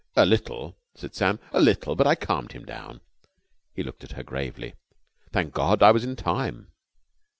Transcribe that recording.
"A little," said Sam, "a little. But I calmed him down." He looked at her gravely. "Thank God I was in time!"